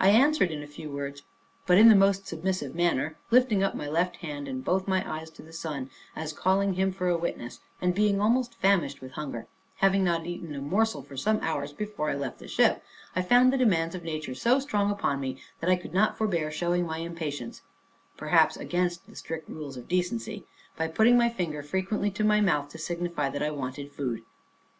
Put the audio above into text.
I answered in a few words, but in the most submissive manner, lifting up my left hand and both my eyes to the sun, as calling him for a witness; and, being almost famished with hunger, having not eaten a morsel for some hours before I left the ship, I found the demands of nature so strong upon me, that I could not forbear showing my impatience (perhaps against the strict rules of decency) by putting my finger frequently to my mouth, to signify that I wanted food.